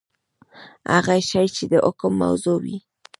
هغه شی چي د حکم موضوع وي.؟